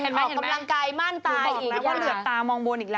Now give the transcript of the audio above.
ออกกำลังกายม่านตายอีก